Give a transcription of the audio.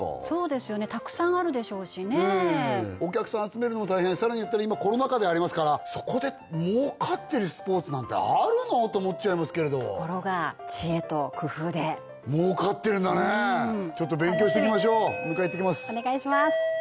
そうですよねたくさんあるでしょうしねお客さん集めるのも大変さらに今コロナ禍でありますからそこで儲かってるスポーツなんてあるの？と思っちゃいますけれどところが知恵と工夫で儲かってるんだねちょっと勉強していきましょう迎え行ってきます